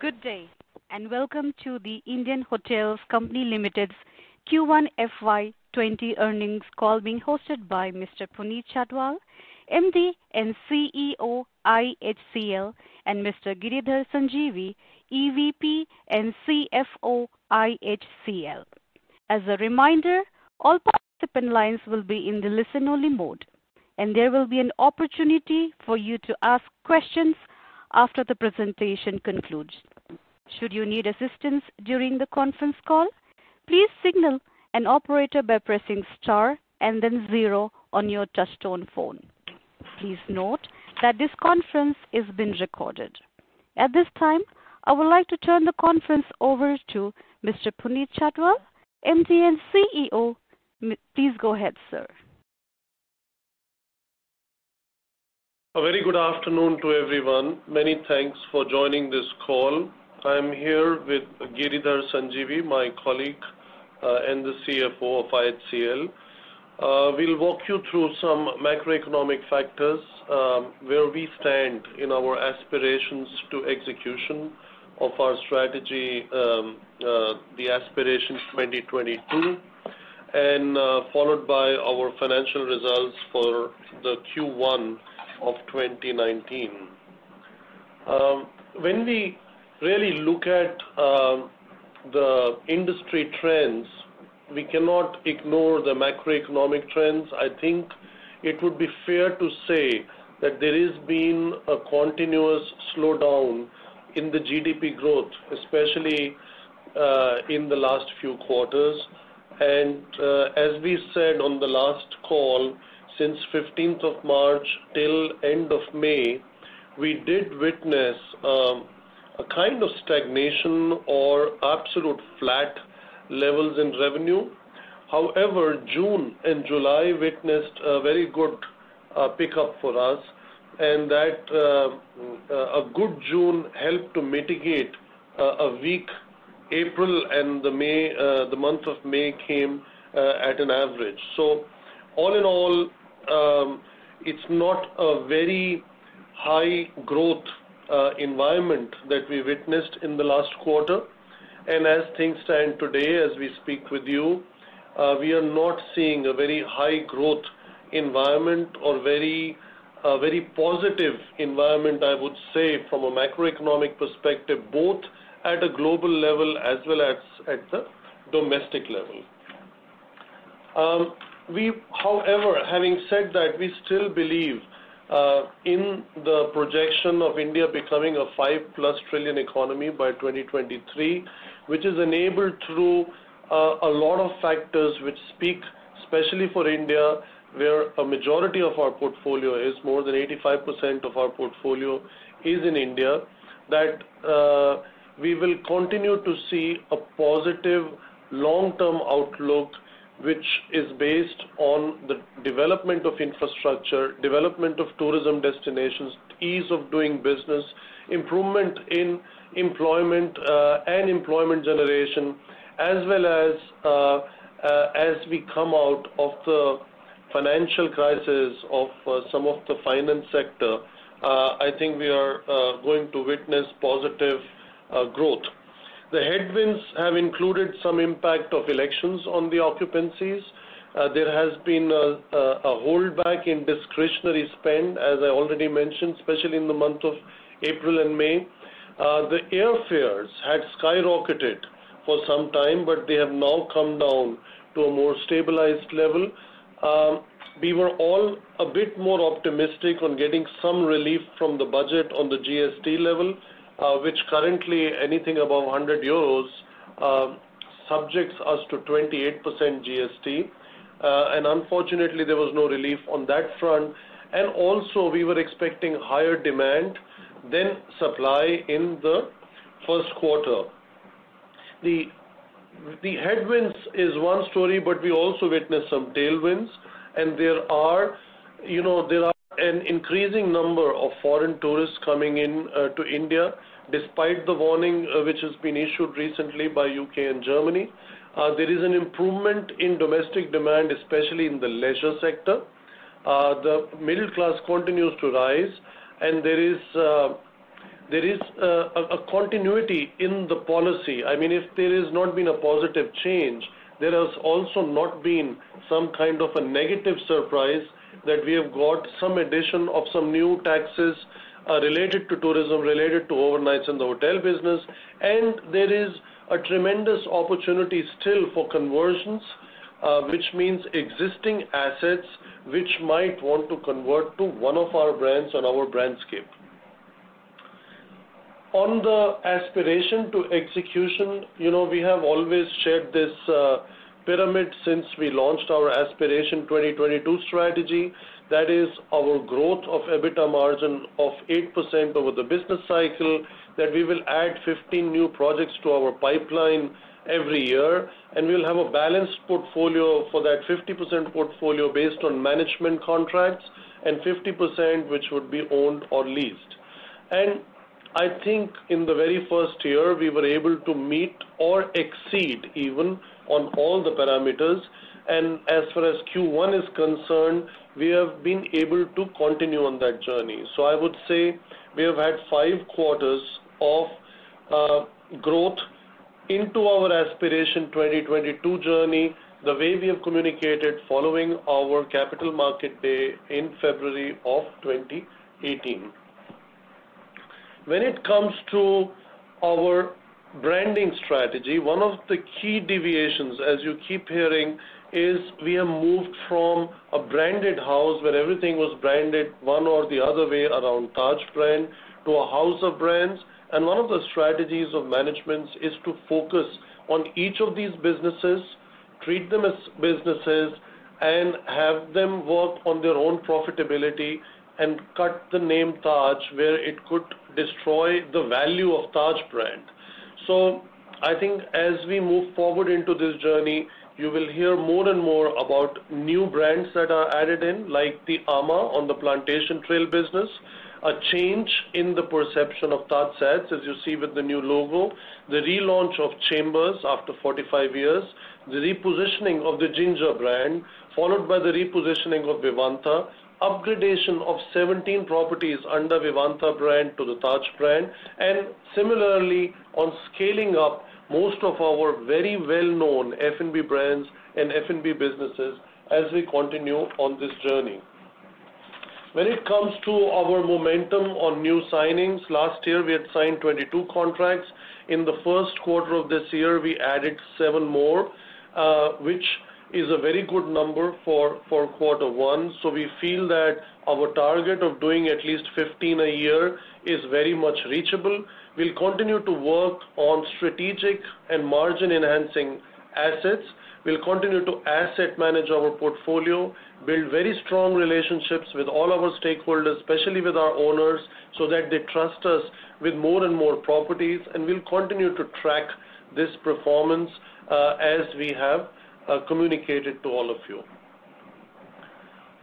Good day, and welcome to The Indian Hotels Company Limited's Q1 FY 2020 earnings call being hosted by Mr. Puneet Chhatwal, MD and CEO, IHCL, and Mr. Giridhar Sanjeevi, EVP and CFO, IHCL. As a reminder, all participant lines will be in the listen only mode, and there will be an opportunity for you to ask questions after the presentation concludes. Should you need assistance during the conference call, please signal an operator by pressing star and then 0 on your touchtone phone. Please note that this conference is being recorded. At this time, I would like to turn the conference over to Mr. Puneet Chhatwal, MD and CEO. Please go ahead, sir. A very good afternoon to everyone. Many thanks for joining this call. I'm here with Giridhar Sanjeevi, my colleague, and the CFO of IHCL. We'll walk you through some macroeconomic factors, where we stand in our aspirations to execution of our strategy, the Aspiration 2022, followed by our financial results for the Q1 of 2019. When we really look at the industry trends, we cannot ignore the macroeconomic trends. I think it would be fair to say that there has been a continuous slowdown in the GDP growth, especially in the last few quarters. As we said on the last call, since 15th of March till end of May, we did witness a kind of stagnation or absolute flat levels in revenue. However, June and July witnessed a very good pickup for us, and that a good June helped to mitigate a weak April, and the month of May came at an average. So all in all, it is not a very high growth environment that we witnessed in the last quarter. As things stand today, as we speak with you, we are not seeing a very high growth environment or a very positive environment, I would say, from a macroeconomic perspective, both at a global level as well as at the domestic level. Having said that, we still believe in the projection of India becoming a 5 plus trillion economy by 2023, which is enabled through a lot of factors which speak especially for India, where a majority of our portfolio is, more than 85% of our portfolio is in India, that we will continue to see a positive long-term outlook, which is based on the development of infrastructure, development of tourism destinations, ease of doing business, improvement in employment and employment generation, as well as we come out of the financial crisis of some of the finance sector. I think we are going to witness positive growth. The headwinds have included some impact of elections on the occupancies. There has been a holdback in discretionary spend, as I already mentioned, especially in the month of April and May. The airfares had skyrocketed for some time, but they have now come down to a more stabilized level. We were all a bit more optimistic on getting some relief from the budget on the GST level, which currently anything above 100 euros subjects us to 28% GST. Unfortunately, there was no relief on that front. Also we were expecting higher demand than supply in the first quarter. The headwinds is one story, but we also witnessed some tailwinds. There are an increasing number of foreign tourists coming in to India, despite the warning which has been issued recently by U.K. and Germany. There is an improvement in domestic demand, especially in the leisure sector. The middle class continues to rise, and there is a continuity in the policy. If there has not been a positive change, there has also not been some kind of a negative surprise that we have got some addition of some new taxes related to tourism, related to overnights in the hotel business. There is a tremendous opportunity still for conversions, which means existing assets which might want to convert to one of our brands on our brandscape. On the aspiration to execution, we have always shared this pyramid since we launched our Aspiration 2022 strategy. That is our growth of EBITDA margin of 8% over the business cycle, that we will add 15 new projects to our pipeline every year, and we'll have a balanced portfolio for that 50% portfolio based on management contracts and 50% which would be owned or leased. I think in the very first year, we were able to meet or exceed even on all the parameters. As far as Q1 is concerned, we have been able to continue on that journey. I would say we have had five quarters of growth into our Aspiration 2022 journey, the way we have communicated following our capital market day in February of 2018. When it comes to our branding strategy, one of the key deviations, as you keep hearing, is we have moved from a branded house where everything was branded one or the other way around Taj brand, to a house of brands. One of the strategies of management is to focus on each of these businesses, treat them as businesses, and have them work on their own profitability and cut the name Taj where it could destroy the value of Taj brand. I think as we move forward into this journey, you will hear more and more about new brands that are added in, like the Ama on the Plantation Trail business, a change in the perception of TajSATS, as you see with the new logo, the relaunch of Chambers after 45 years, the repositioning of the Ginger brand, followed by the repositioning of Vivanta, up-gradation of 17 properties under Vivanta brand to the Taj brand, and similarly, on scaling up most of our very well-known F&B brands and F&B businesses as we continue on this journey. When it comes to our momentum on new signings, last year we had signed 22 contracts. In the first quarter of this year, we added seven more, which is a very good number for quarter one. We feel that our target of doing at least 15 a year is very much reachable. We'll continue to work on strategic and margin-enhancing assets. We'll continue to asset manage our portfolio, build very strong relationships with all our stakeholders, especially with our owners, so that they trust us with more and more properties. We'll continue to track this performance as we have communicated to all of you.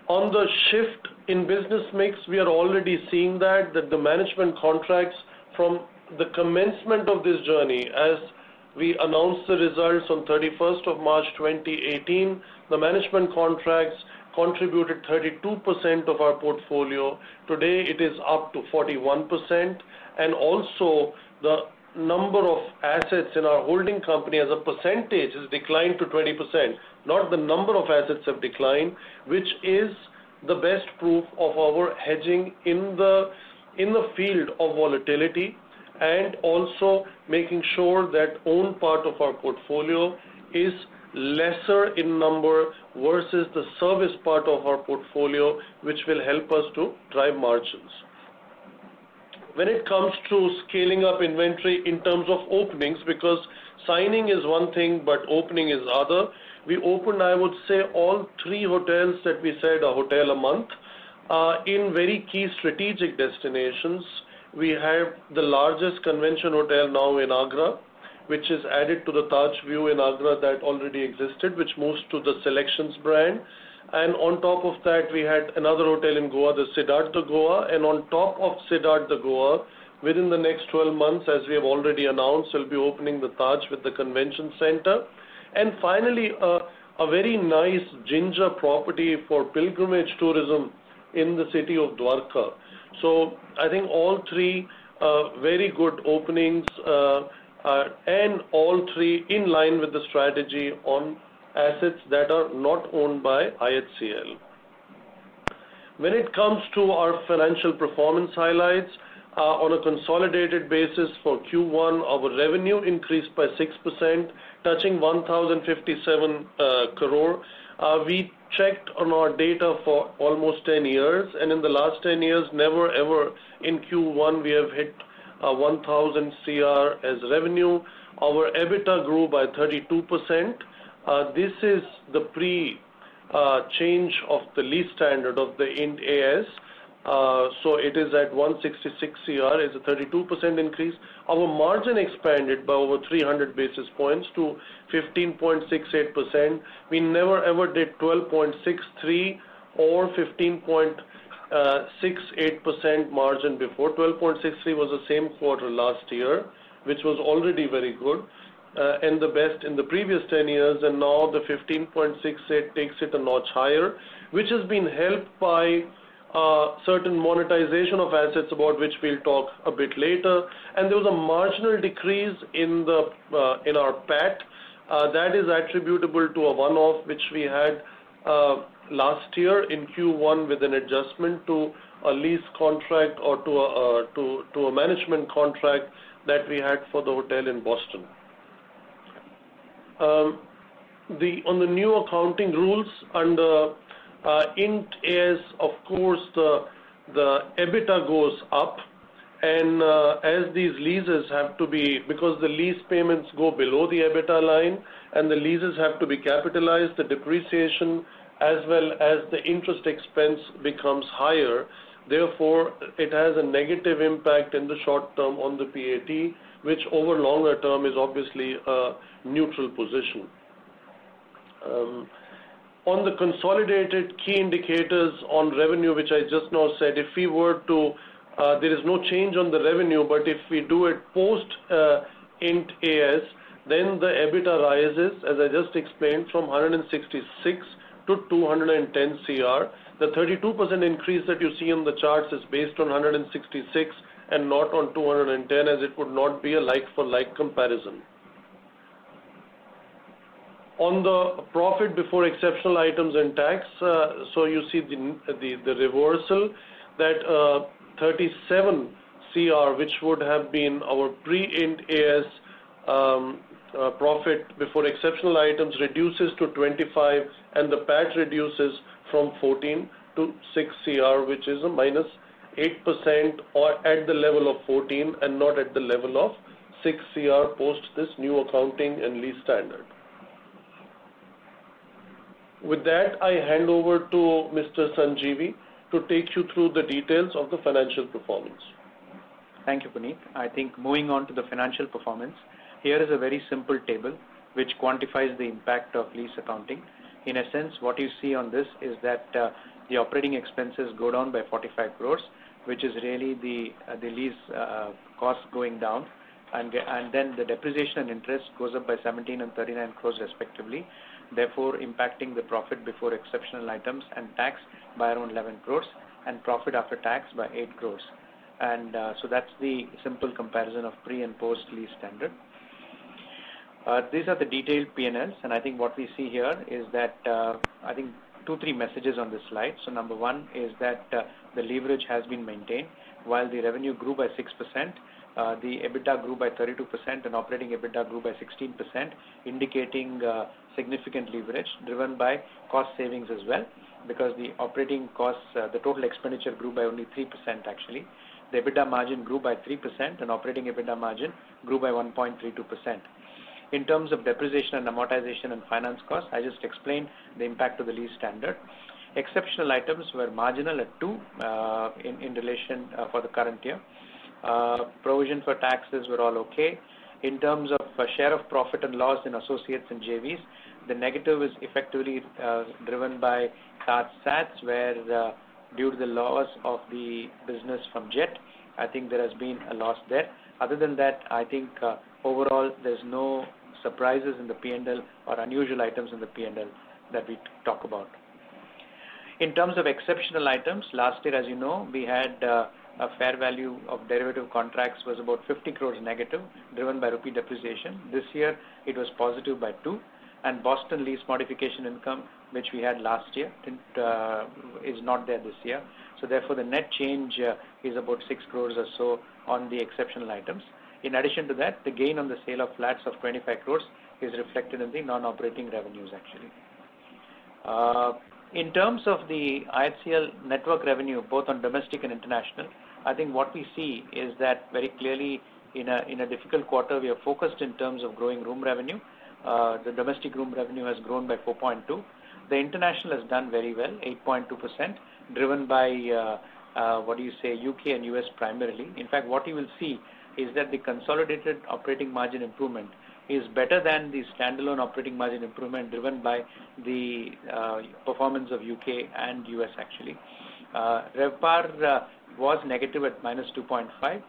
On the shift in business mix, we are already seeing that the management contracts from the commencement of this journey, as we announced the results on 31st of March 2018, the management contracts contributed 32% of our portfolio. Today, it is up to 41%. Also the number of assets in our holding company as a percentage has declined to 20%. Not the number of assets have declined, which is the best proof of our hedging in the field of volatility. Also making sure that owned part of our portfolio is lesser in number versus the service part of our portfolio, which will help us to drive margins. When it comes to scaling up inventory in terms of openings, because signing is one thing, but opening is other. We opened, I would say, all three hotels that we said a hotel a month, in very key strategic destinations. We have the largest convention hotel now in Agra, which is added to the Tajview in Agra that already existed, which moves to the SeleQtions brand. On top of that, we had another hotel in Goa, the Cidade de Goa. On top of Cidade de Goa, within the next 12 months, as we have already announced, we will be opening the Taj with the convention center. Finally, a very nice Ginger property for pilgrimage tourism in the city of Dwarka. I think all three are very good openings, and all three in line with the strategy on assets that are not owned by IHCL. When it comes to our financial performance highlights, on a consolidated basis for Q1, our revenue increased by 6%, touching 1,057 crore. We checked on our data for almost 10 years, and in the last 10 years, never ever in Q1 we have hit 1,000 crore as revenue. Our EBITDA grew by 32%. This is the pre-change of the lease standard of the IND AS. It is at 166 crore is a 32% increase. Our margin expanded by over 300 basis points to 15.68%. We never ever did 12.63% or 15.68% margin before. 12.63% was the same quarter last year, which was already very good. The best in the previous 10 years, and now the 15.68 takes it a notch higher, which has been helped by certain monetization of assets about which we'll talk a bit later. There was a marginal decrease in our PAT. That is attributable to a one-off which we had last year in Q1 with an adjustment to a lease contract or to a management contract that we had for the hotel in Boston. On the new accounting rules under IND AS, of course, the EBITDA goes up and as these leases have to be because the lease payments go below the EBITDA line and the leases have to be capitalized, the depreciation as well as the interest expense becomes higher. Therefore, it has a negative impact in the short term on the PAT, which over longer term is obviously a neutral position. On the consolidated key indicators on revenue, which I just now said, there is no change on the revenue, but if we do it post IND AS, then the EBITDA rises, as I just explained, from 166 to 210 cr. The 32% increase that you see on the charts is based on 166 and not on 210, as it would not be a like-for-like comparison. On the profit before exceptional items and tax, you see the reversal that 37 cr, which would have been our pre-IND AS profit before exceptional items, reduces to 25 and the PAT reduces from 14 to 6 cr, which is a -8% or at the level of 14 and not at the level of 6 cr post this new accounting and lease standard. With that, I hand over to Mr. Sanjeevi to take you through the details of the financial performance. Thank you, Puneet. I think moving on to the financial performance, here is a very simple table which quantifies the impact of lease accounting. In a sense, what you see on this is that the operating expenses go down by 45 crores, which is really the lease cost going down. The depreciation and interest goes up by 17 crores and 39 crores respectively, therefore impacting the profit before exceptional items and tax by around 11 crores and profit after tax by 8 crores. That's the simple comparison of pre and post lease standard. These are the detailed P&Ls. I think what we see here is two, three messages on this slide. Number one is that the leverage has been maintained. While the revenue grew by 6%, the EBITDA grew by 32% and operating EBITDA grew by 16%, indicating significant leverage driven by cost savings as well, because the operating costs, the total expenditure grew by only 3% actually. The EBITDA margin grew by 3% and operating EBITDA margin grew by 1.32%. In terms of depreciation and amortization and finance costs, I just explained the impact of the lease standard. Exceptional items were marginal at INR two in relation for the current year. Provision for taxes were all okay. In terms of share of profit and loss in associates and JVs, the negative is effectively driven by TajSATS, where due to the loss of the business from Jet, I think there has been a loss there. Other than that, I think overall, there is no surprises in the P&L or unusual items in the P&L that we talk about. In terms of exceptional items, last year, as you know, we had a fair value of derivative contracts was about 50 crores negative, driven by rupee depreciation. This year, it was positive by 2 crores, and Boston lease modification income, which we had last year is not there this year. Therefore, the net change is about 6 crores or so on the exceptional items. In addition to that, the gain on the sale of flats of 25 crores is reflected in the non-operating revenues, actually. In terms of the IHCL network revenue, both on domestic and international, I think what we see is that very clearly in a difficult quarter, we are focused in terms of growing room revenue. The domestic room revenue has grown by 4.2%. The international has done very well, 8.2%, driven by U.K. and U.S. primarily. In fact, what you will see is that the consolidated operating margin improvement is better than the standalone operating margin improvement driven by the performance of U.K. and U.S., actually. RevPAR was negative at -2.5,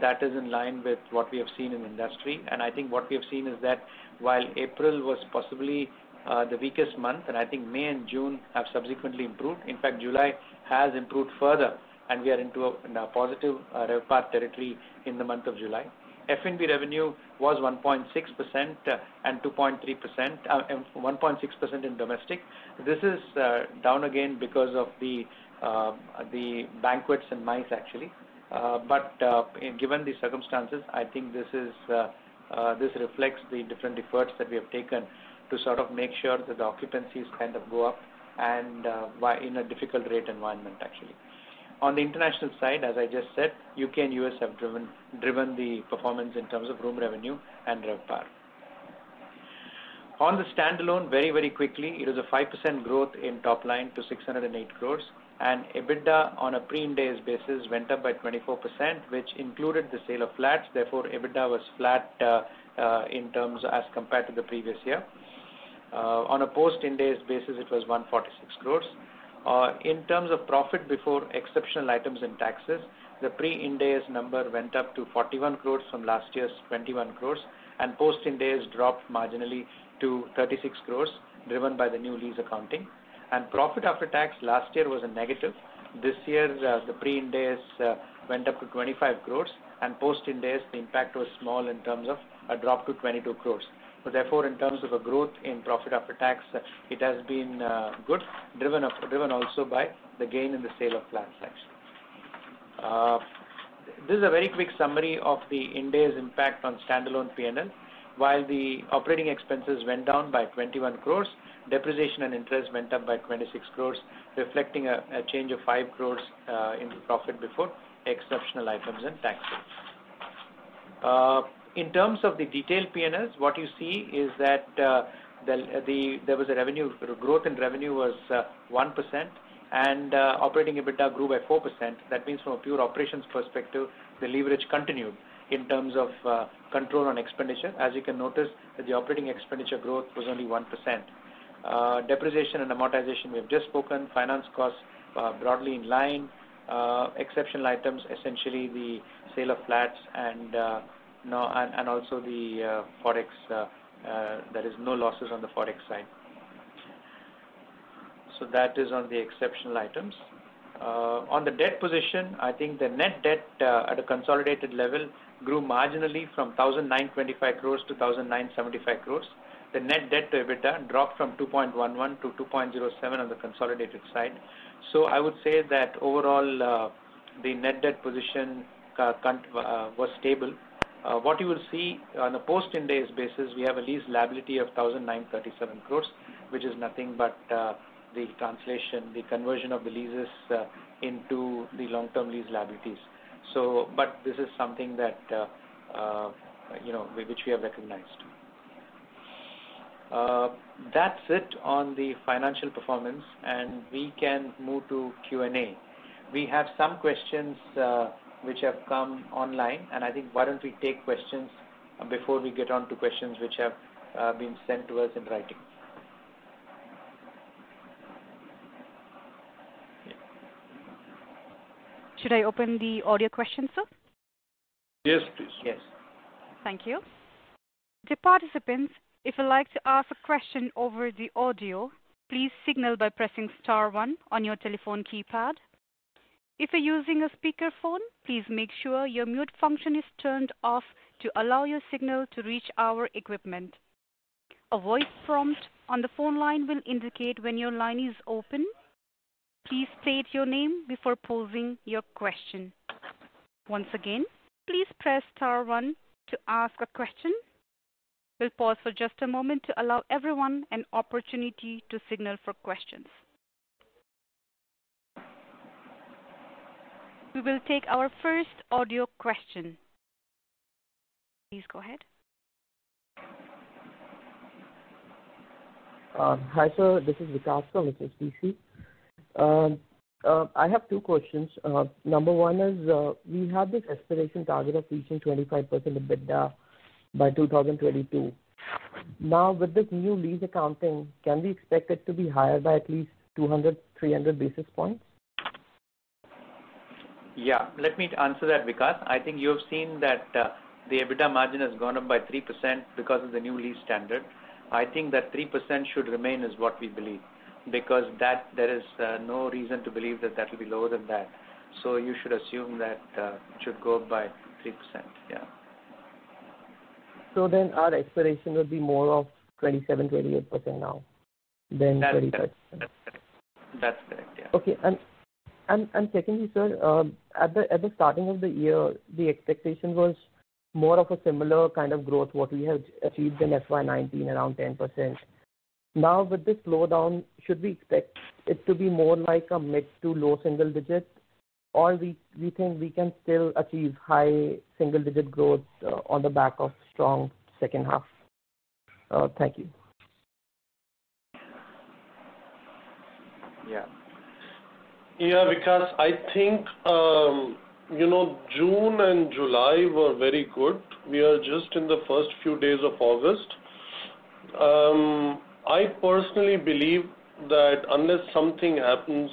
that is in line with what we have seen in industry. I think what we have seen is that while April was possibly the weakest month, I think May and June have subsequently improved. In fact, July has improved further, we are into a positive RevPAR territory in the month of July. F&B revenue was 1.6% in domestic. This is down again because of the banquets and MICE actually. Given the circumstances, I think this reflects the different efforts that we have taken to sort of make sure that the occupancies kind of go up and in a difficult rate environment, actually. On the international side, as I just said, U.K. and U.S. have driven the performance in terms of room revenue and RevPAR. On the standalone, very quickly, it was a 5% growth in top line to 608 crore, and EBITDA on a pre-IND AS basis went up by 24%, which included the sale of flats. Therefore, EBITDA was flat in terms as compared to the previous year. On a post-IND AS basis, it was 146 crore. In terms of profit before exceptional items and taxes, the pre-IND AS number went up to 41 crore from last year's 21 crore, and post-IND AS dropped marginally to 36 crore, driven by the new lease accounting. Profit after tax last year was a negative. This year, the pre-IND AS went up to 25 crore and post-IND AS, the impact was small in terms of a drop to 22 crore. Therefore, in terms of a growth in profit after tax, it has been good, driven also by the gain in the sale of flats, actually. This is a very quick summary of the IND AS impact on standalone P&L. While the operating expenses went down by 21 crores, depreciation and interest went up by 26 crores, reflecting a change of 5 crores in profit before exceptional items and taxes. In terms of the detailed P&Ls, what you see is that the growth in revenue was 1% and operating EBITDA grew by 4%. From a pure operations perspective, the leverage continued in terms of control on expenditure. As you can notice, the operating expenditure growth was only 1%. Depreciation and amortization, we've just spoken. Finance costs are broadly in line. Exceptional items, essentially the sale of flats and also there is no losses on the Forex side. That is on the exceptional items. On the debt position, I think the net debt at a consolidated level grew marginally from 1,925 crores to 1,975 crores. The net debt to EBITDA dropped from 2.11 to 2.07 on the consolidated side. I would say that overall, the net debt position was stable. What you will see on a post-IND AS basis, we have a lease liability of 1,937 crores, which is nothing but the conversion of the leases into the long-term lease liabilities. This is something which we have recognized. That's it on the financial performance, and we can move to Q&A. We have some questions which have come online, and I think why don't we take questions before we get onto questions which have been sent to us in writing. Should I open the audio questions, sir? Yes, please. Yes. Thank you. To participants, if you'd like to ask a question over the audio, please signal by pressing star one on your telephone keypad. If you're using a speakerphone, please make sure your mute function is turned off to allow your signal to reach our equipment. A voice prompt on the phone line will indicate when your line is open. Please state your name before posing your question. Once again, please press star one to ask a question. We'll pause for just a moment to allow everyone an opportunity to signal for questions. We will take our first audio question. Please go ahead. Hi, sir. This is Vikas from HSBC. I have two questions. Number one is, we have this Aspiration target of reaching 25% EBITDA by 2022. With this new lease accounting, can we expect it to be higher by at least 200, 300 basis points? Yeah. Let me answer that, Vikas. I think you have seen that the EBITDA margin has gone up by 3% because of the new lease standard. I think that 3% should remain is what we believe, because there is no reason to believe that that'll be lower than that. You should assume that it should go up by 3%. Yeah. Our aspiration would be more of 27%, 28% now than 25%. That's correct. That's correct, yeah. Okay. Secondly, sir, at the starting of the year, the expectation was more of a similar kind of growth, what we have achieved in FY 2019, around 10%. Now, with this slowdown, should we expect it to be more like a mid to low single digit? We think we can still achieve high single-digit growth on the back of strong second half? Thank you. Yeah. Yeah, Vikas. I think June and July were very good. We are just in the first few days of August. I personally believe that unless something happens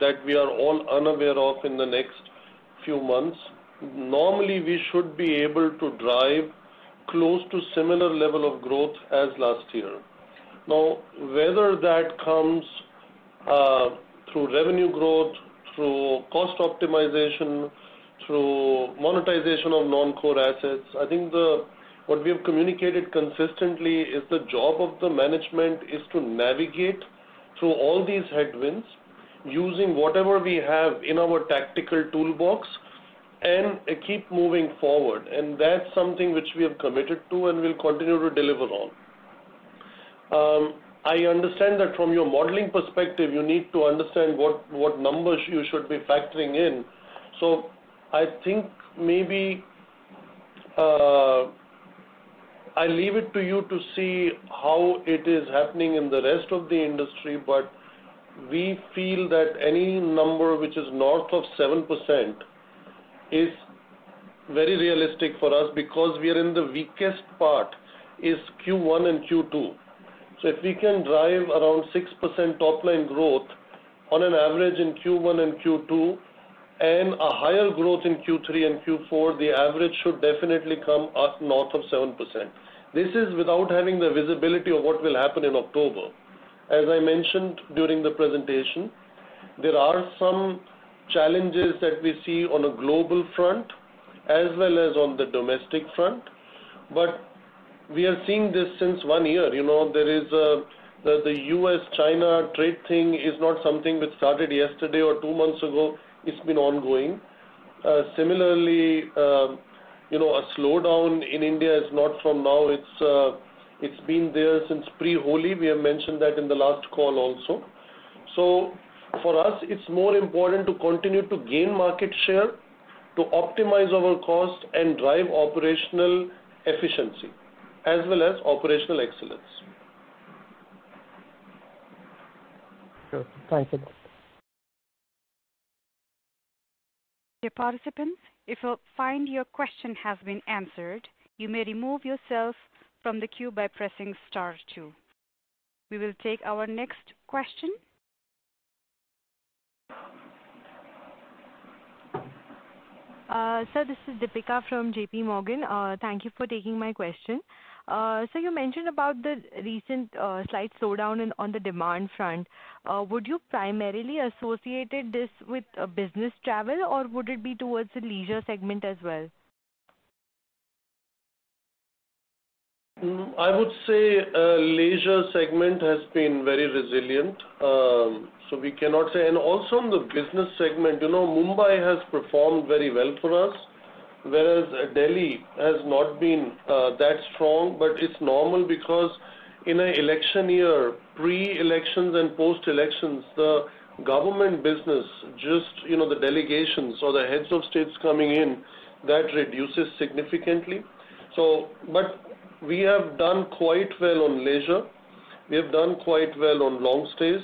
that we are all unaware of in the next few months, normally, we should be able to drive close to similar level of growth as last year. Now, whether that comes through revenue growth, through cost optimization, through monetization of non-core assets, I think what we have communicated consistently is the job of the management is to navigate through all these headwinds using whatever we have in our tactical toolbox and keep moving forward, and that's something which we have committed to and will continue to deliver on. I understand that from your modeling perspective, you need to understand what numbers you should be factoring in. I think maybe I leave it to you to see how it is happening in the rest of the industry. We feel that any number which is north of 7% is very realistic for us because we are in the weakest part is Q1 and Q2. If we can drive around 6% top-line growth on an average in Q1 and Q2 and a higher growth in Q3 and Q4, the average should definitely come up north of 7%. This is without having the visibility of what will happen in October. As I mentioned during the presentation, there are some challenges that we see on a global front as well as on the domestic front. We are seeing this since one year. The U.S.-China trade thing is not something which started yesterday or two months ago. It's been ongoing. A slowdown in India is not from now. It's been there since pre-Holi. We have mentioned that in the last call also. For us, it's more important to continue to gain market share, to optimize our cost and drive operational efficiency as well as operational excellence. Sure. Thank you. To participants, if you find your question has been answered, you may remove yourself from the queue by pressing star two. We will take our next question. Sir, this is Dipika from J.P. Morgan. Thank you for taking my question. Sir, you mentioned about the recent slight slowdown on the demand front. Would you primarily associated this with business travel, or would it be towards the leisure segment as well? I would say leisure segment has been very resilient, we cannot say. In the business segment, Mumbai has performed very well for us, whereas Delhi has not been that strong. It's normal because in an election year, pre-elections and post-elections, the government business, just the delegations or the heads of states coming in, that reduces significantly. We have done quite well on leisure. We have done quite well on long stays.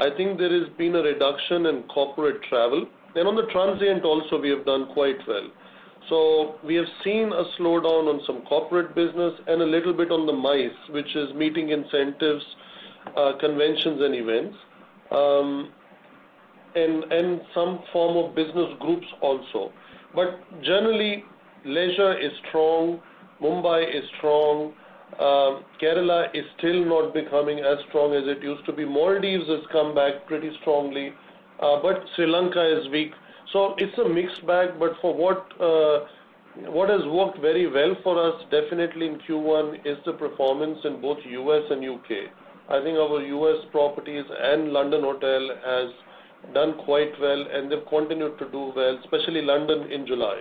I think there has been a reduction in corporate travel. On the transient also, we have done quite well. We have seen a slowdown on some corporate business and a little bit on the MICE, which is Meeting Incentives, Conventions and Events, and some form of business groups also. Generally, leisure is strong. Mumbai is strong. Kerala is still not becoming as strong as it used to be. Maldives has come back pretty strongly, but Sri Lanka is weak. It's a mixed bag. What has worked very well for us, definitely in Q1, is the performance in both U.S. and U.K. I think our U.S. properties and London hotel has done quite well, and they've continued to do well, especially London in July.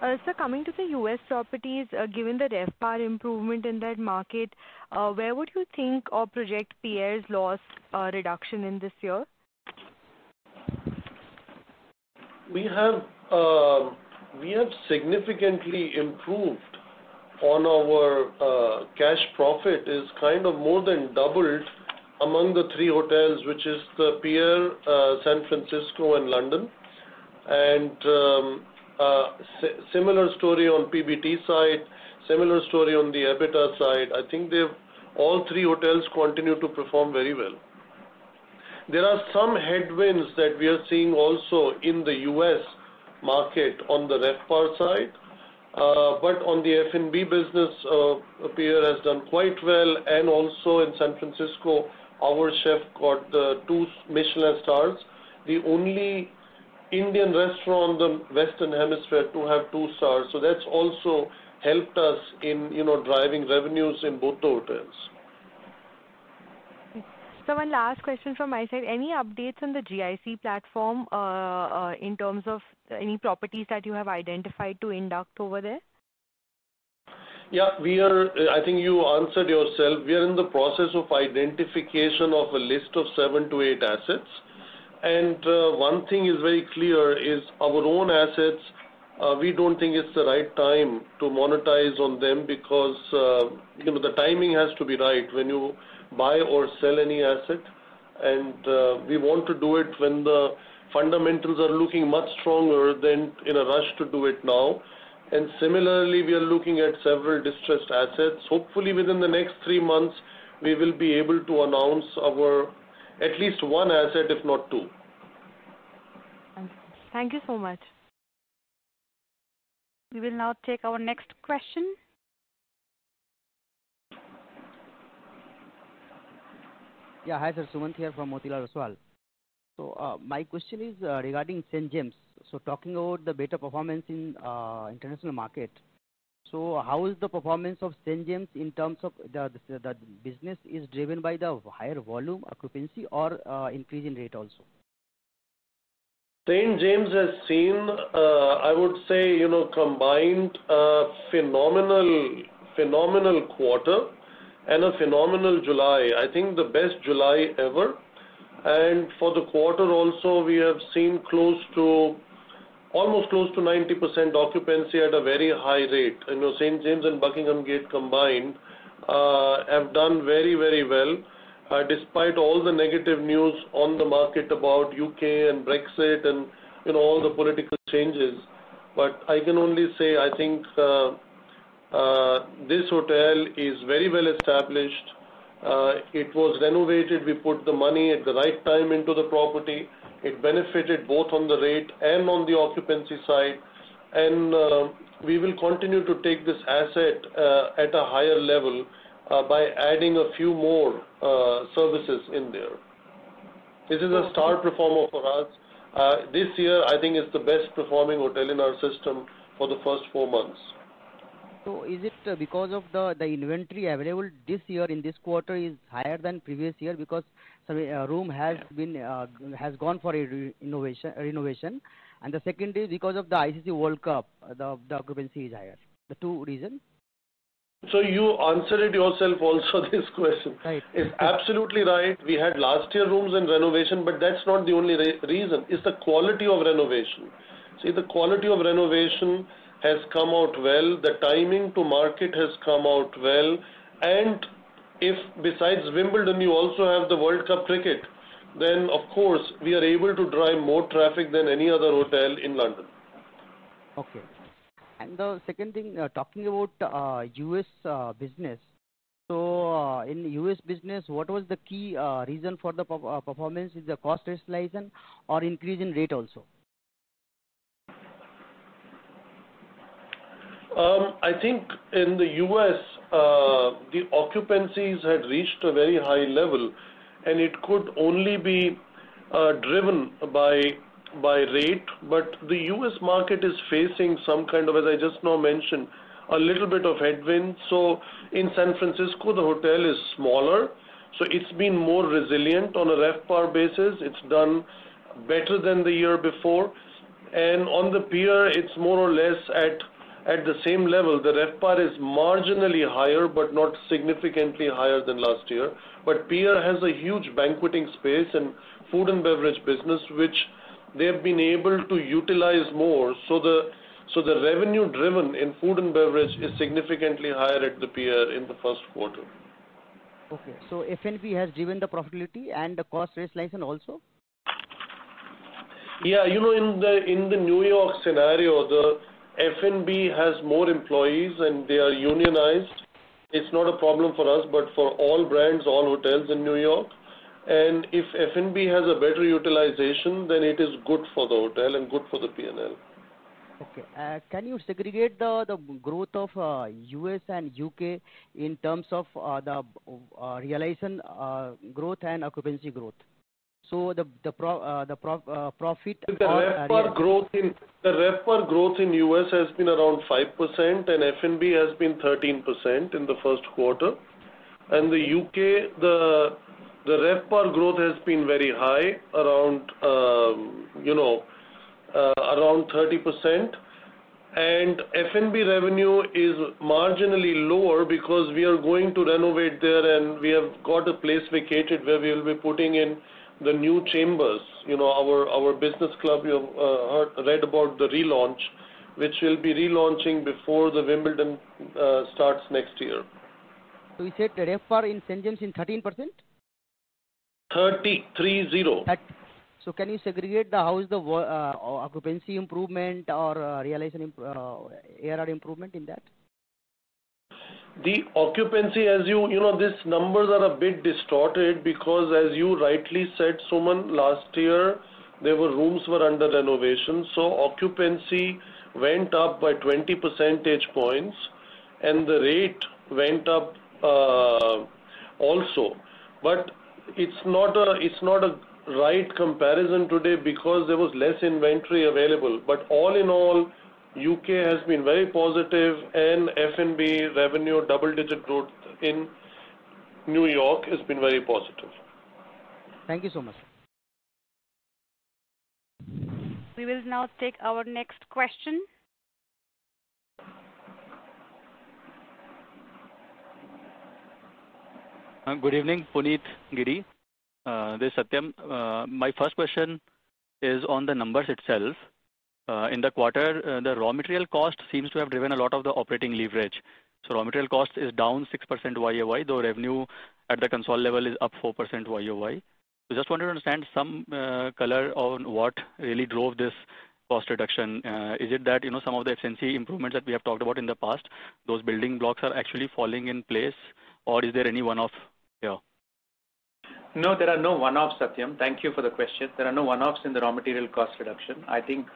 Sir, coming to the U.S. properties, given the RevPAR improvement in that market, where would you think or project Pierre's loss reduction in this year? We have significantly improved on our cash profit, is kind of more than doubled among the three hotels, which is The Pierre, San Francisco, and London. Similar story on PBT side, similar story on the EBITDA side. I think all three hotels continue to perform very well. There are some headwinds that we are seeing also in the U.S. market on the RevPAR side. On the F&B business, The Pierre has done quite well. Also in San Francisco, our chef got the two Michelin stars, the only Indian restaurant on the Western Hemisphere to have two stars. That's also helped us in driving revenues in both hotels. Sir, one last question from my side. Any updates on the GIC platform in terms of any properties that you have identified to induct over there? Yeah. I think you answered yourself. We are in the process of identification of a list of seven to eight assets. One thing is very clear is our own assets, we do not think it is the right time to monetize on them because the timing has to be right when you buy or sell any asset, and we want to do it when the fundamentals are looking much stronger than in a rush to do it now. Similarly, we are looking at several distressed assets. Hopefully within the next three months, we will be able to announce at least one asset, if not two. Thank you so much. We will now take our next question. Yeah. Hi, sir. Sumanth here from Motilal Oswal. My question is regarding St. James. Talking about the better performance in international market, how is the performance of St. James in terms of the business is driven by the higher volume occupancy or increase in rate also? St. James has seen, I would say, combined a phenomenal quarter and a phenomenal July. I think the best July ever. For the quarter also, we have seen almost close to 90% occupancy at a very high rate. St. James and Buckingham Gate combined have done very well despite all the negative news on the market about U.K. and Brexit and all the political changes. I can only say, I think this hotel is very well established. It was renovated. We put the money at the right time into the property. It benefited both on the rate and on the occupancy side. We will continue to take this asset at a higher level by adding a few more services in there. This is a star performer for us. This year, I think it's the best performing hotel in our system for the first four months. Is it because of the inventory available this year in this quarter is higher than previous year? Sorry, room has gone for a renovation. The second is because of the ICC World Cup, the occupancy is higher. The two reason? You answered it yourself also this question. Right. It's absolutely right. We had last year rooms and renovation, but that's not the only reason. It's the quality of renovation. See, the quality of renovation has come out well. The timing to market has come out well. If besides Wimbledon, you also have the World Cup Cricket, then of course, we are able to drive more traffic than any other hotel in London. Okay. The second thing, talking about U.S. business. In U.S. business, what was the key reason for the performance? Is it the cost rationalization or increase in rate also? I think in the U.S., the occupancies had reached a very high level, and it could only be driven by rate. The U.S. market is facing some kind of, as I just now mentioned, a little bit of headwind. In San Francisco, the hotel is smaller, so it's been more resilient on a RevPAR basis. It's done better than the year before. On The Pierre, it's more or less at the same level. The RevPAR is marginally higher, but not significantly higher than last year. Pierre has a huge banqueting space and food and beverage business, which they have been able to utilize more. The revenue driven in food and beverage is significantly higher at The Pierre in the first quarter. Okay. F&B has driven the profitability and the cost rationalization also? In the New York scenario, the F&B has more employees, and they are unionized. It's not a problem for us, but for all brands, all hotels in New York. If F&B has a better utilization, then it is good for the hotel and good for the P&L. Okay. Can you segregate the growth of U.S. and U.K. in terms of the realization growth and occupancy growth? The profit or. The RevPAR growth in U.S. has been around 5%, and F&B has been 13% in the first quarter. The U.K., the RevPAR growth has been very high, around 30%. F&B revenue is marginally lower because we are going to renovate there, and we have got a place vacated where we'll be putting in the new Chambers. Our business club you have read about the relaunch, which we'll be relaunching before Wimbledon starts next year. You said the RevPAR in St. James is 13%? 30. three, zero. 30. Can you segregate how is the occupancy improvement or ADR improvement in that? The occupancy, as you know, these numbers are a bit distorted because as you rightly said, Sumanth, last year, the rooms were under renovation, so occupancy went up by 20 percentage points, and the rate went up also. It's not a right comparison today because there was less inventory available. All in all, U.K. has been very positive, and F&B revenue double-digit growth in New York has been very positive. Thank you so much. We will now take our next question. Good evening, Puneet Giri. This is Satyam. My first question is on the numbers itself. In the quarter, the raw material cost seems to have driven a lot of the operating leverage. Raw material cost is down 6% YOY, though revenue at the consolidated level is up 4% YOY. Just wanted to understand some color on what really drove this cost reduction. Is it that some of the efficiency improvements that we have talked about in the past, those building blocks are actually falling in place, or is there any one-off here? No, there are no one-offs, Satyam. Thank you for the question. There are no one-offs in the raw material cost reduction. I think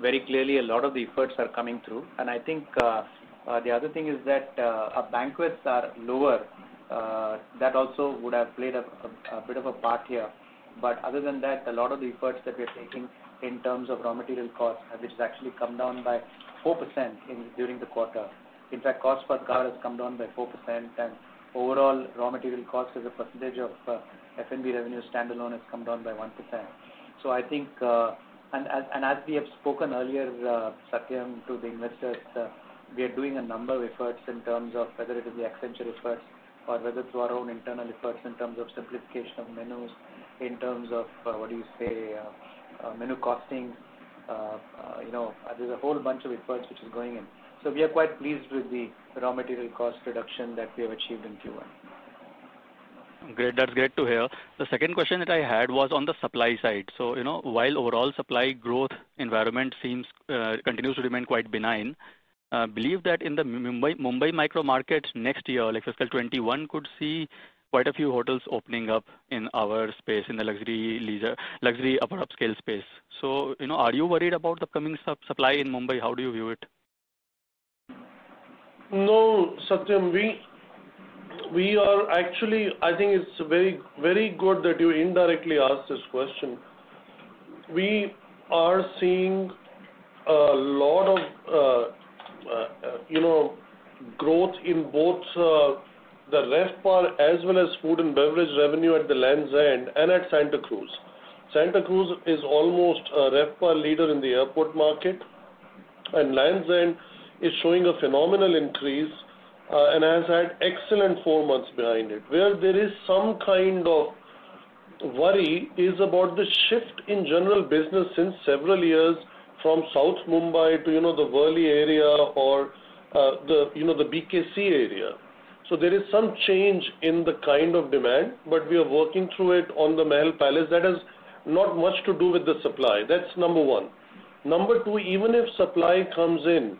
very clearly a lot of the efforts are coming through, and I think the other thing is that our banquets are lower. That also would have played a bit of a part here. Other than that, a lot of the efforts that we're taking in terms of raw material cost, which has actually come down by 4% during the quarter. In fact, cost per cover has come down by 4%, and overall raw material cost as a percentage of F&B revenue standalone has come down by 1%. As we have spoken earlier, Satyam, to the investors, we are doing a number of efforts in terms of whether it is the Accenture efforts or whether through our own internal efforts in terms of simplification of menus, in terms of menu costing. There's a whole bunch of efforts which is going in. We are quite pleased with the raw material cost reduction that we have achieved in Q1. Great. That's great to hear. The second question that I had was on the supply side. While overall supply growth environment continues to remain quite benign, I believe that in the Mumbai micro market next year, like FY 2021 could see quite a few hotels opening up in our space, in the luxury leisure, luxury upper upscale space. Are you worried about the coming supply in Mumbai? How do you view it? No, Satyam. Actually, I think it's very good that you indirectly asked this question. We are seeing a lot of growth in both the RevPAR as well as food and beverage revenue at the Land's End and at Santa Cruz. Santa Cruz is almost a RevPAR leader in the airport market, and Land's End is showing a phenomenal increase, and has had excellent four months behind it. Where there is some kind of worry is about the shift in general business since several years from South Mumbai to the Worli area, the BKC area. There is some change in the kind of demand, but we are working through it on the Mahal Palace. That has not much to do with the supply. That's number one. Number two, even if supply comes in,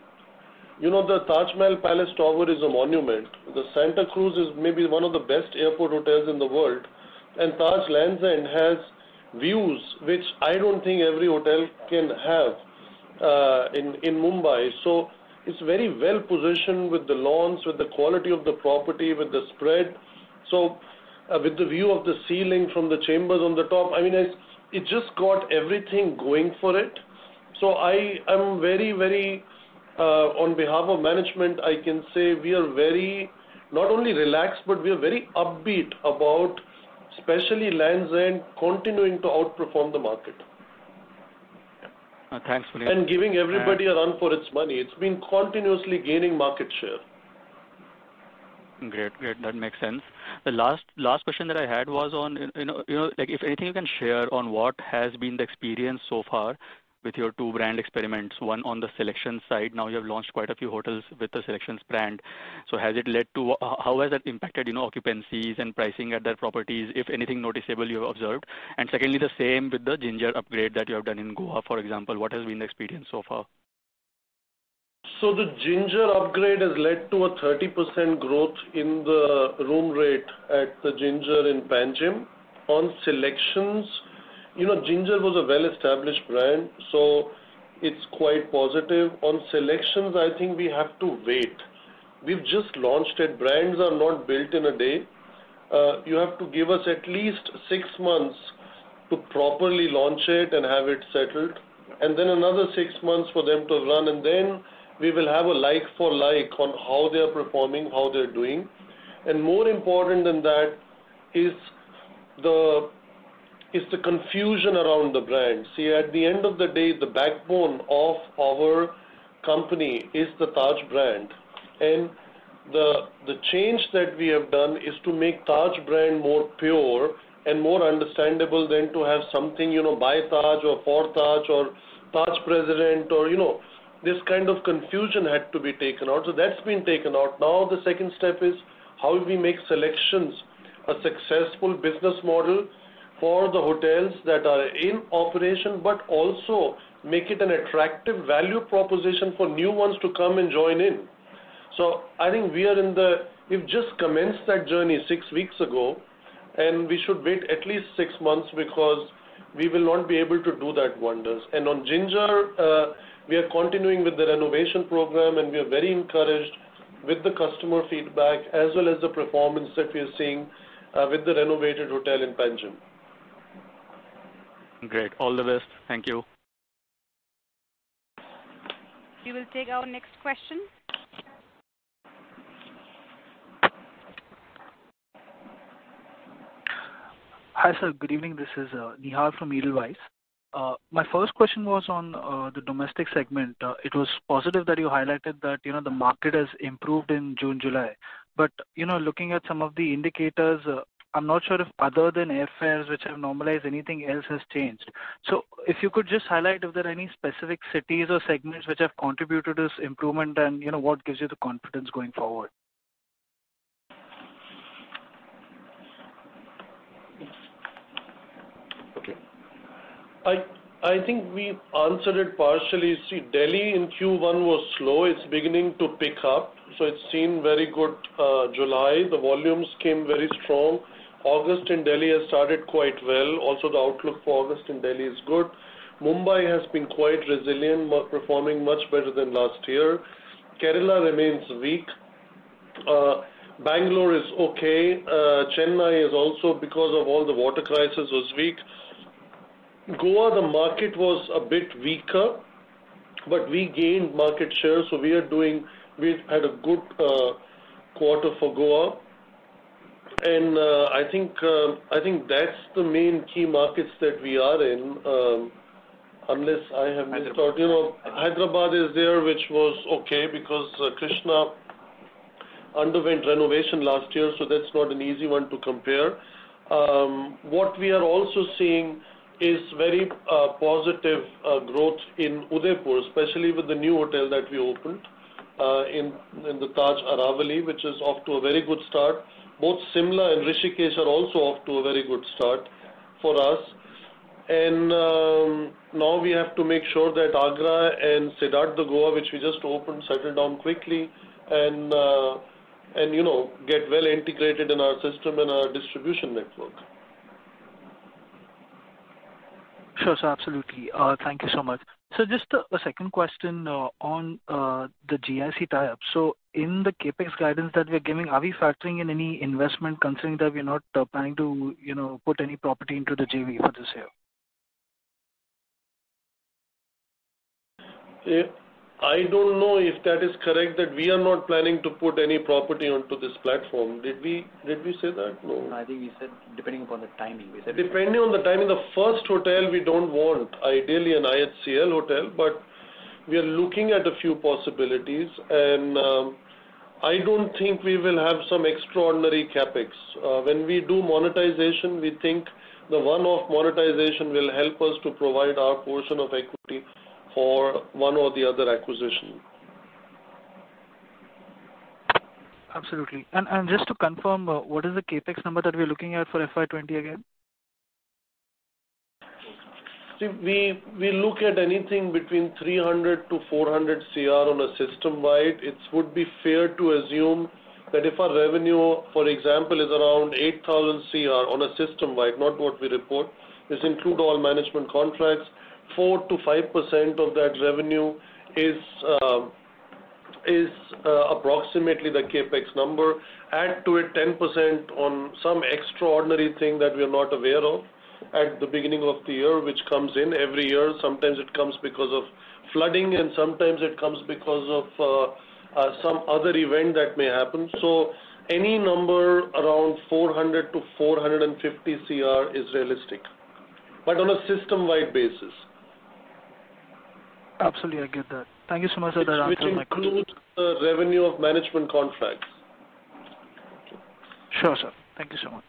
the Taj Mahal Palace tower is a monument. The Santa Cruz is maybe one of the best airport hotels in the world, and Taj Lands End has views, which I don't think every hotel can have in Mumbai. It's very well-positioned with the lawns, with the quality of the property, with the spread. With the view of the ceiling from The Chambers on the top, it's just got everything going for it. On behalf of management, I can say we are very, not only relaxed, but we are very upbeat about especially Lands End continuing to outperform the market. Thanks, Puneet. Giving everybody a run for its money. It's been continuously gaining market share. Great. That makes sense. The last question that I had was on if anything you can share on what has been the experience so far with your two brand experiments, one on the SeleQtions side. Now you have launched quite a few hotels with the SeleQtions brand. How has that impacted occupancies and pricing at that properties, if anything noticeable you have observed? Secondly, the same with the Ginger upgrade that you have done in Goa, for example. What has been the experience so far? The Ginger upgrade has led to a 30% growth in the room rate at the Ginger in Panjim. You know, Ginger was a well-established brand, so it's quite positive. On SeleQtions, I think we have to wait. We've just launched it. Brands are not built in a day. You have to give us at least six months to properly launch it and have it settled, and then another six months for them to run, and then we will have a like-for-like on how they are performing, how they're doing. More important than that is the confusion around the brand. At the end of the day, the backbone of our company is the Taj brand. The change that we have done is to make Taj brand more pure and more understandable than to have something, by Taj or for Taj or Taj President or this kind of confusion had to be taken out. That's been taken out. The second step is how we make SeleQtions a successful business model for the hotels that are in operation, but also make it an attractive value proposition for new ones to come and join in. I think we've just commenced that journey six weeks ago, and we should wait at least six months because we will not be able to do that wonders. On Ginger, we are continuing with the renovation program, and we are very encouraged with the customer feedback as well as the performance that we are seeing with the renovated hotel in Panjim. Great. All the best. Thank you. We will take our next question. Hi, sir. Good evening. This is Nihal from Edelweiss. My first question was on the domestic segment. It was positive that you highlighted that the market has improved in June, July. Looking at some of the indicators, I'm not sure if other than airfares, which have normalized, anything else has changed. If you could just highlight if there are any specific cities or segments which have contributed to this improvement and what gives you the confidence going forward? Okay. I think we answered it partially. Delhi in Q1 was slow. It's beginning to pick up, it's seen very good July. The volumes came very strong. August in Delhi has started quite well. The outlook for August in Delhi is good. Mumbai has been quite resilient, performing much better than last year. Kerala remains weak. Bangalore is okay. Chennai is, because of all the water crisis, was weak. Goa, the market was a bit weaker, we gained market share, we've had a good quarter for Goa. I think that's the main key markets that we are in. Unless I have missed out. Hyderabad is there, which was okay because Krishna underwent renovation last year, that's not an easy one to compare. What we are also seeing is very positive growth in Udaipur, especially with the new hotel that we opened in the Taj Aravali, which is off to a very good start. Both Shimla and Rishikesh are also off to a very good start for us. Now we have to make sure that Agra and Siddharth Goa, which we just opened, settle down quickly and get well integrated in our system and our distribution network. Sure, sir. Absolutely. Thank you so much. Just a second question on the GIC tie-ups. In the CapEx guidance that we're giving, are we factoring in any investment considering that we're not planning to put any property into the JV for this year? I don't know if that is correct, that we are not planning to put any property onto this platform. Did we say that? No. I think we said depending upon the timing. Depending on the timing. The first hotel we don't want, ideally an IHCL hotel, but we are looking at a few possibilities and I don't think we will have some extraordinary CapEx. When we do monetization, we think the one-off monetization will help us to provide our portion of equity for one or the other acquisition. Absolutely. Just to confirm, what is the CapEx number that we're looking at for FY 2020 again? We look at anything between 300 crore to 400 crore on a system-wide. It would be fair to assume that if our revenue, for example, is around 8,000 crore on a system-wide, not what we report. This includes all management contracts. 4%-5% of that revenue is approximately the CapEx number. Add to it 10% on some extraordinary thing that we are not aware of at the beginning of the year, which comes in every year. Sometimes it comes because of flooding, and sometimes it comes because of some other event that may happen. Any number around 400 crore to 450 crore is realistic, but on a system-wide basis. Absolutely. I get that. Thank you so much, sir, that answered my question. Which includes the revenue of management contracts. Sure, sir. Thank you so much.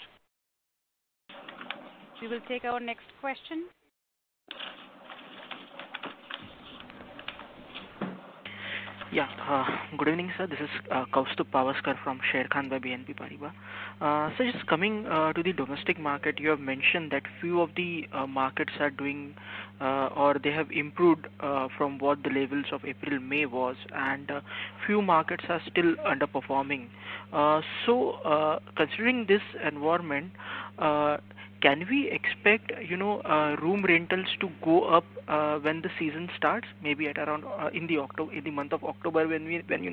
We will take our next question. Good evening, sir. This is Kaustubh Pawaskar from Sharekhan by BNP Paribas. Sir, just coming to the domestic market, you have mentioned that few of the markets are doing, or they have improved from what the levels of April, May was, and few markets are still underperforming. Considering this environment, can we expect room rentals to go up when the season starts, maybe in the month of October when you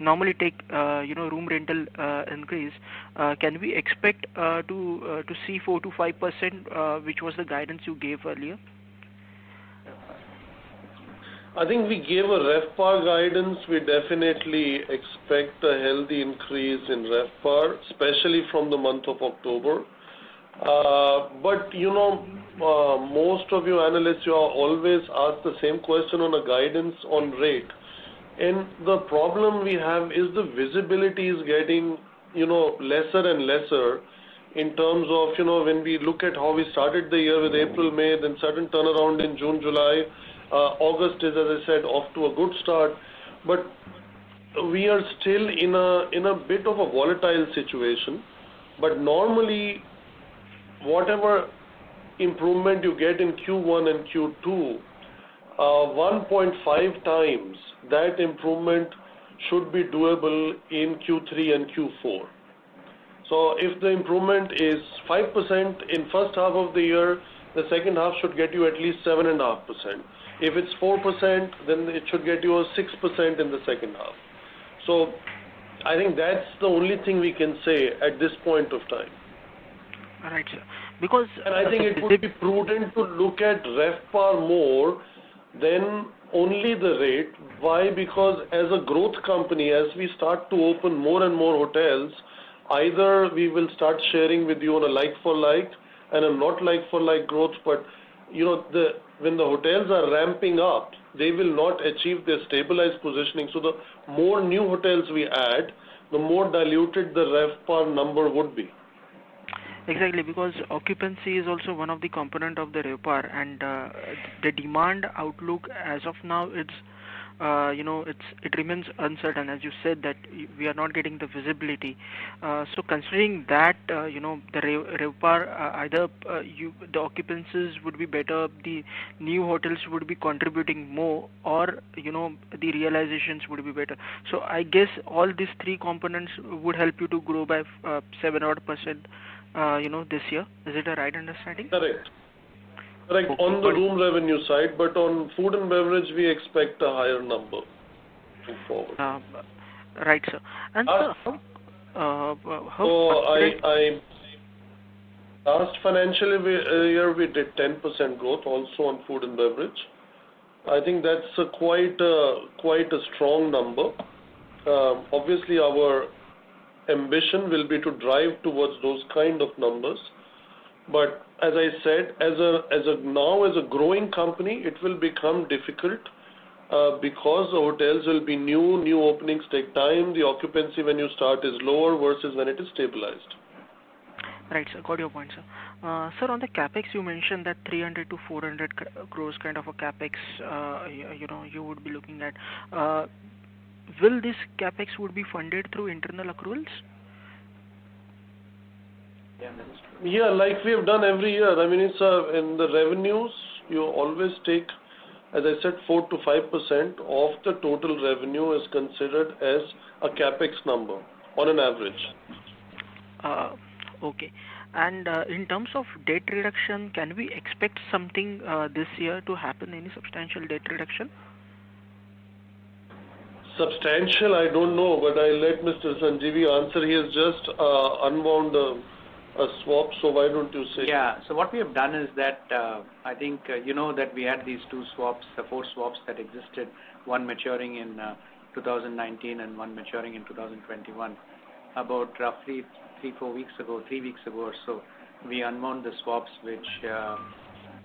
normally take room rental increase? Can we expect to see 4%-5%, which was the guidance you gave earlier? I think we gave a RevPAR guidance. We definitely expect a healthy increase in RevPAR, especially from the month of October. Most of you analysts, you always ask the same question on a guidance on rate. The problem we have is the visibility is getting lesser and lesser in terms of when we look at how we started the year with April, May, then sudden turnaround in June, July. August is, as I said, off to a good start, but we are still in a bit of a volatile situation. Normally, whatever improvement you get in Q1 and Q2, 1.5 times that improvement should be doable in Q3 and Q4. If the improvement is 5% in first half of the year, the second half should get you at least 7.5%. If it's 4%, then it should get you a 6% in the second half. I think that's the only thing we can say at this point of time. All right, sir. I think it would be prudent to look at RevPAR more than only the rate. Why? As a growth company, as we start to open more and more hotels, either we will start sharing with you on a like-for-like and a not like-for-like growth, but when the hotels are ramping up, they will not achieve their stabilized positioning. The more new hotels we add, the more diluted the RevPAR number would be. Exactly, because occupancy is also one of the component of the RevPAR, and the demand outlook as of now, it remains uncertain. As you said that we are not getting the visibility. Considering that, the RevPAR, either the occupancies would be better, the new hotels would be contributing more, or the realizations would be better. I guess all these three components would help you to grow by seven odd % this year. Is it a right understanding? Correct. On the room revenue side, but on food and beverage, we expect a higher number going forward. Right, sir. Last financial year, we did 10% growth also on food and beverage. I think that's quite a strong number. Our ambition will be to drive towards those kind of numbers. As I said, as of now, as a growing company, it will become difficult because hotels will be new openings take time. The occupancy when you start is lower versus when it is stabilized. Right, sir. Got your point, sir. Sir, on the CapEx, you mentioned that 300-400 crores kind of a CapEx you would be looking at. Will this CapEx would be funded through internal accruals? Yeah, like we have done every year. In the revenues, you always take, as I said, 4%-5% of the total revenue is considered as a CapEx number on an average. Okay. In terms of debt reduction, can we expect something this year to happen, any substantial debt reduction? Substantial, I don't know, but I let Mr. Sanjeevi answer. He has just unwound a swap, so why don't you say? Yeah. What we have done is that, I think you know that we had these two swaps, the four swaps that existed, one maturing in 2019 and one maturing in 2021. About roughly three, four weeks ago, three weeks ago or so, we unwound the swaps which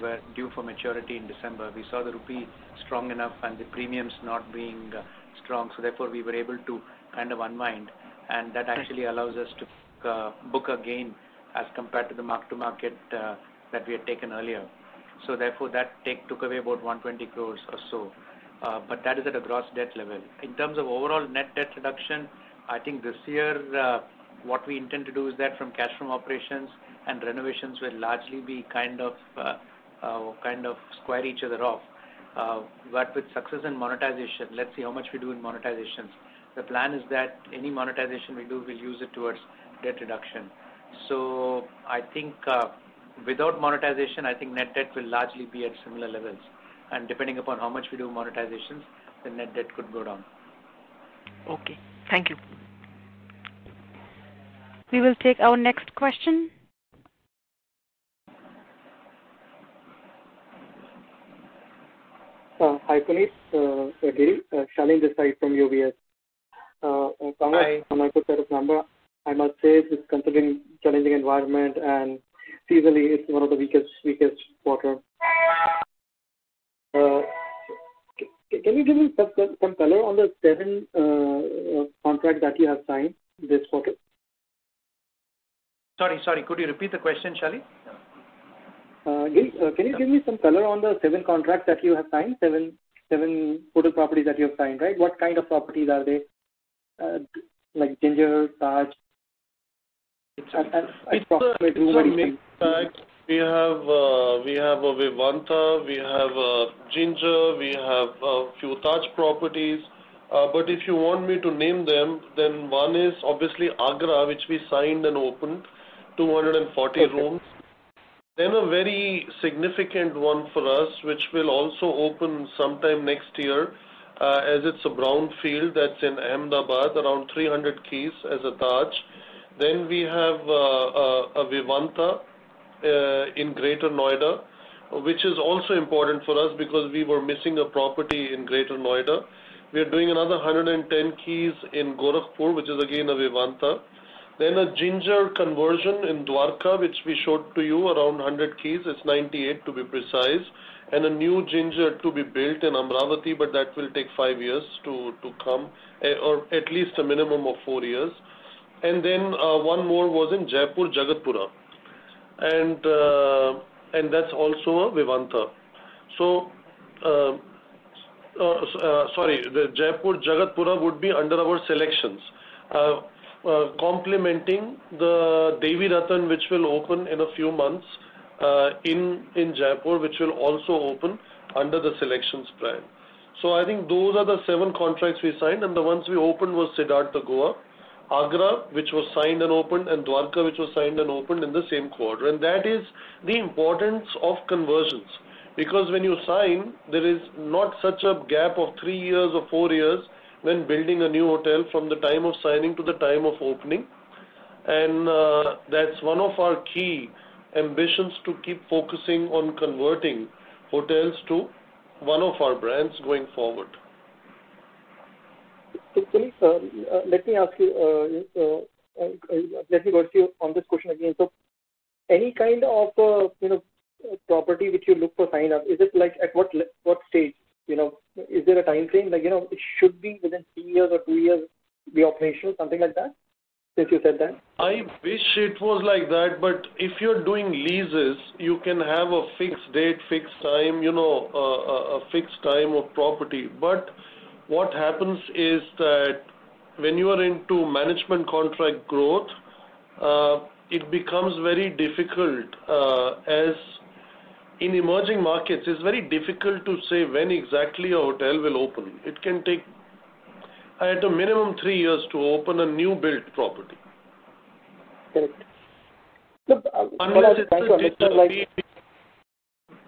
were due for maturity in December. We saw the rupee strong enough and the premiums not being strong, therefore, we were able to unwind. That actually allows us to book a gain as compared to the mark-to-market that we had taken earlier. Therefore, that took away about 120 crores or so. That is at a gross debt level. In terms of overall net debt reduction, I think this year, what we intend to do is that from cash from operations and renovations will largely be kind of square each other off. With success in monetization, let's see how much we do in monetizations. The plan is that any monetization we do, we'll use it towards debt reduction. I think without monetization, I think net debt will largely be at similar levels. Depending upon how much we do monetizations, the net debt could go down. Okay. Thank you. We will take our next question. Hi, Puneet. Shalin Desai from UBS. Hi. On my put set of number, I must say this considering challenging environment and seasonally it's one of the weakest quarter. Can you give me some color on the seven contracts that you have signed this quarter? Sorry, could you repeat the question, Shalin? Can you give me some color on the seven contracts that you have signed, seven hotel properties that you have signed, right? What kind of properties are they? Like Ginger, Taj? It's a mixed bag. We have a Vivanta, we have a Ginger, we have a few Taj properties. If you want me to name them, then one is obviously Agra, which we signed and opened, 240 rooms. Okay. A very significant one for us, which will also open sometime next year, as it's a brownfield that's in Ahmedabad, around 300 keys as a Taj. We have a Vivanta in Greater Noida, which is also important for us because we were missing a property in Greater Noida. We are doing another 110 keys in Gorakhpur, which is again a Vivanta. A Ginger conversion in Dwarka, which we showed to you around 100 keys. It's 98, to be precise. A new Ginger to be built in Amravati, but that will take five years to come, or at least a minimum of four years. One more was in Jaipur, Jagatpura. That's also a Vivanta. Sorry, the Jaipur Jagatpura would be under our SeleQtions, complementing the Devi Ratn, which will open in a few months in Jaipur, which will also open under the SeleQtions plan. I think those are the seven contracts we signed, and the ones we opened was Siddharth Goa; Agra, which was signed and opened; and Dwarka, which was signed and opened in the same quarter. That is the importance of conversions. When you sign, there is not such a gap of three years or four years when building a new hotel from the time of signing to the time of opening. That's one of our key ambitions to keep focusing on converting hotels to one of our brands going forward. Puneet, let me ask you, let me go to you on this question again. Any kind of property which you look for sign up, is it like at what stage? Is there a time frame? Like, it should be within three years or two years, be operational, something like that? If you said that. I wish it was like that. If you're doing leases, you can have a fixed date, fixed time, a fixed type of property. What happens is that when you are into management contract growth, it becomes very difficult, as in emerging markets, it's very difficult to say when exactly a hotel will open. It can take at a minimum three years to open a new built property. Correct.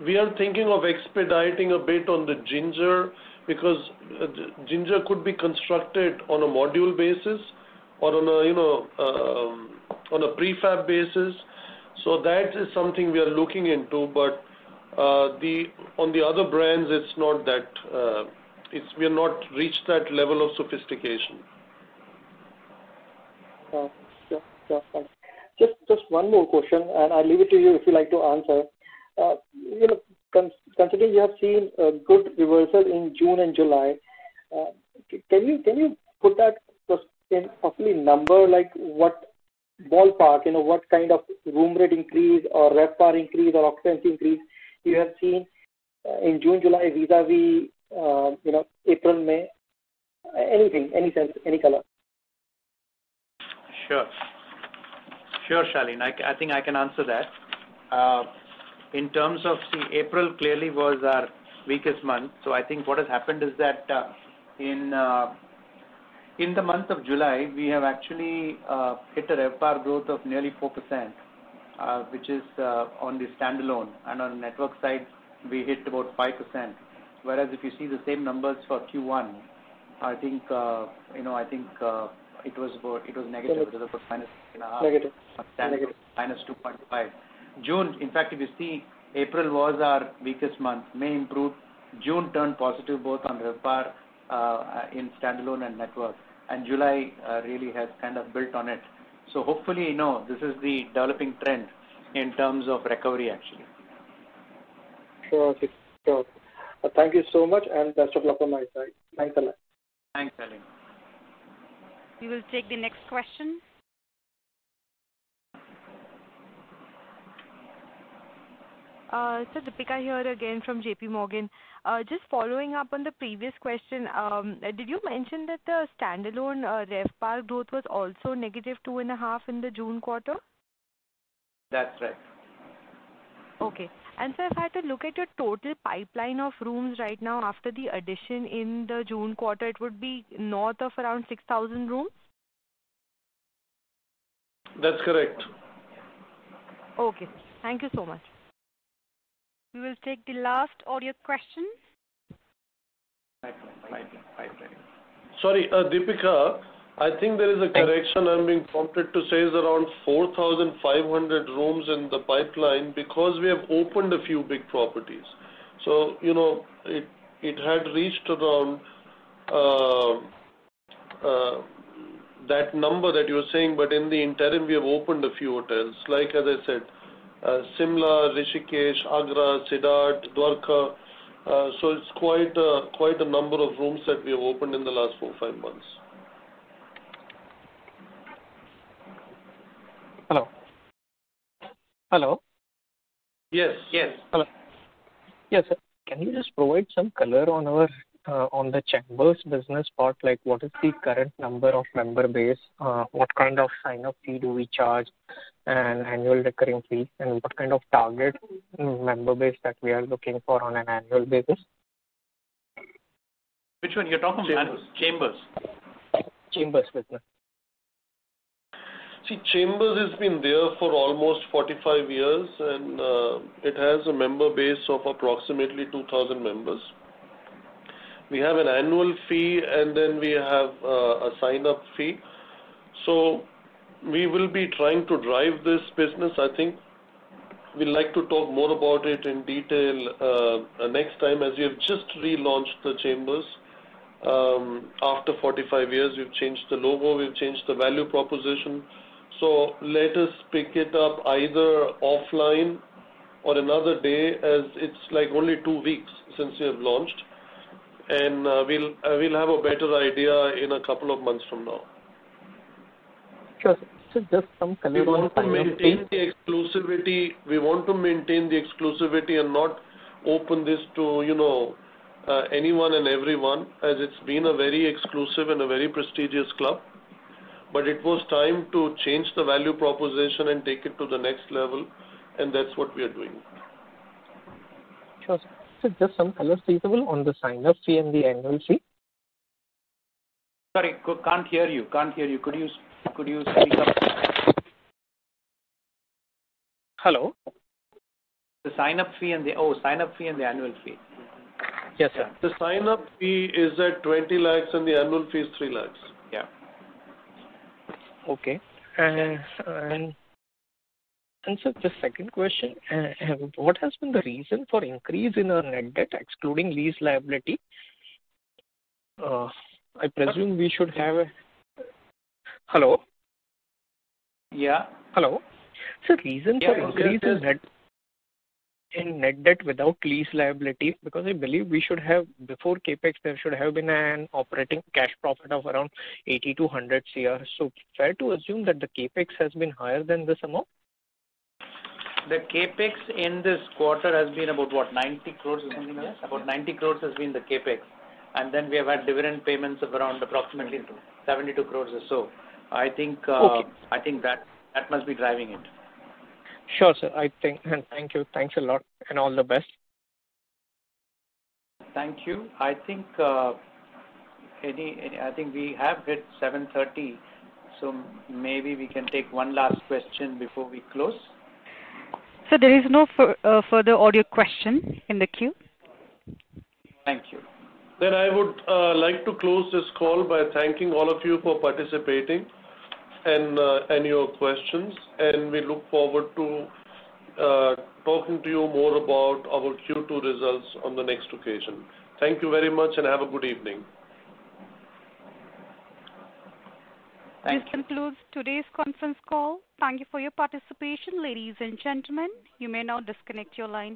We are thinking of expediting a bit on the Ginger, because Ginger could be constructed on a module basis or on a prefab basis. That is something we are looking into. On the other brands, we have not reached that level of sophistication. Yeah. Just one more question, and I'll leave it to you if you like to answer. Considering you have seen a good reversal in June and July, can you put that in roughly number, like what ballpark, what kind of room rate increase or RevPAR increase or occupancy increase you have seen in June, July, vis-à-vis April, May? Anything, any sense, any color? Sure. Sure, Shalin. I think I can answer that. In terms of April clearly was our weakest month. I think what has happened is that in the month of July, we have actually hit a RevPAR growth of nearly 4%, which is on the standalone. On the network side, we hit about 5%. Whereas if you see the same numbers for Q1, I think it was negative. It was minus two and a half. Negative. Minus 2.5%. June, in fact, if you see, April was our weakest month. May improved. June turned positive both on RevPAR in standalone and network. July really has built on it. Hopefully, this is the developing trend in terms of recovery, actually. Sure. Thank you so much, and best of luck from my side. Thanks a lot. Thanks, Alim. We will take the next question. Sir, Deepika here again from JP Morgan. Just following up on the previous question. Did you mention that the standalone RevPAR growth was also negative two and a half in the June quarter? That's right. Okay. sir, if I had to look at your total pipeline of rooms right now after the addition in the June quarter, it would be north of around 6,000 rooms? That's correct. Okay. Thank you so much. We will take the last audio question. Pipeline. Sorry, Deepika. I think there is a correction I'm being prompted to say is around 4,500 rooms in the pipeline because we have opened a few big properties. It had reached around that number that you were saying, but in the interim, we have opened a few hotels. As I said Shimla, Rishikesh, Agra, Siddharth, Dwarka. It's quite a number of rooms that we have opened in the last four, five months. Hello? Yes. Hello. Yes, sir. Can you just provide some color on The Chambers business part? Like what is the current number of member base, what kind of sign-up fee do we charge, and annual recurring fee, and what kind of target member base that we are looking for on an annual basis? Which one? You're talking Chambers? Chambers business. The Chambers has been there for almost 45 years, and it has a member base of approximately 2,000 members. We have an annual fee, and then we have a sign-up fee. We will be trying to drive this business. I think we'd like to talk more about it in detail next time, as we have just relaunched The Chambers. After 45 years, we've changed the logo, we've changed the value proposition. Let us pick it up either offline or another day, as it's only 2 weeks since we have launched, and we'll have a better idea in a couple of months from now. Sure. Just some color. We want to maintain the exclusivity and not open this to anyone and everyone, as it's been a very exclusive and a very prestigious club. It was time to change the value proposition and take it to the next level, and that's what we are doing. Sure. Just some color feasible on the sign-up fee and the annual fee. Sorry, can't hear you. Could you speak up? Hello? The sign-up fee and the annual fee. Yes, sir. The sign-up fee is at 20 lakhs, and the annual fee is 3 lakhs. Yeah. Okay. Sir, the second question, what has been the reason for increase in our net debt excluding lease liability? I presume we should have Hello? Yeah. Hello. Sir, reason for increase. Yeah in net debt without lease liability, because I believe we should have, before CapEx, there should have been an operating cash profit of around 80-100 crore. Fair to assume that the CapEx has been higher than this amount? The CapEx in this quarter has been about what, 90 crores you were saying, yes? About 90 crores has been the CapEx. We have had dividend payments of around approximately 72 crores or so. Okay That must be driving it. Sure, sir. Thank you. Thanks a lot, and all the best. Thank you. I think we have hit 7:30, maybe we can take one last question before we close. Sir, there is no further audio question in the queue. Thank you. I would like to close this call by thanking all of you for participating and your questions. We look forward to talking to you more about our Q2 results on the next occasion. Thank you very much and have a good evening. Thank you. This concludes today's conference call. Thank you for your participation, ladies and gentlemen. You may now disconnect your lines.